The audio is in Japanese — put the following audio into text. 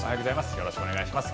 よろしくお願いします。